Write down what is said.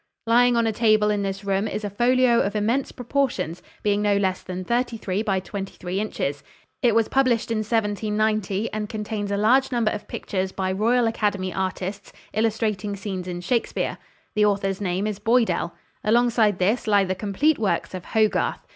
Lying on a table in this room is a folio of immense proportions, being no less than 33 by 23 inches. It was published in 1790, and contains a large number of pictures by Royal Academy artists, illustrating scenes in Shakespeare. The author's name is Boydell. Alongside this lie the complete works of Hogarth.